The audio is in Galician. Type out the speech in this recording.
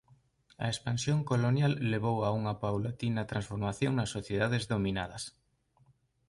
A expansión colonial levou a unha paulatina transformación nas sociedades dominadas.